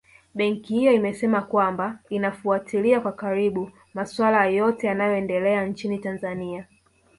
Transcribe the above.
Benki hiyo imesema kwamba inafuatilia kwa karibu maswala yote yanayoendelea nchini Tanzania